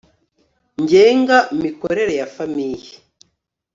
ngenga mikorere ya famiye